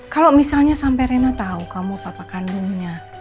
kalau misalnya sampai rena tahu kamu papa kandungnya